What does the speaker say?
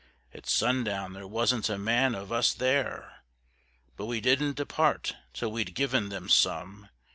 At Sundown there wasn't a Man of us there! But we didn't depart till we'd given them Some!